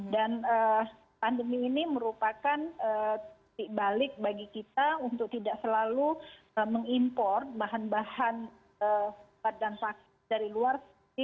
dan pandemi ini merupakan balik bagi kita untuk tidak selalu mengimpor bahan bahan obat dan vaksin dari luar